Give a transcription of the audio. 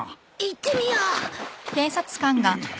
行ってみよう。